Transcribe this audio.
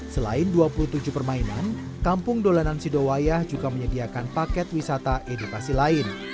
selain dua puluh tujuh permainan kampung dolanan sidowayah juga menyediakan paket wisata edukasi lain